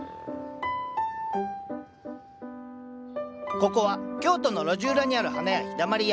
ここは京都の路地裏にある花屋「陽だまり屋」。